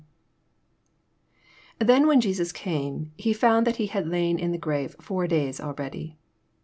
17 Then when JesoB eame, he found that he had lain in the grave four days already.